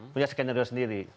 punya skenario sendiri